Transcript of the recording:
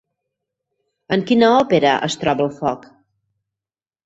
En quina òpera es troba el foc?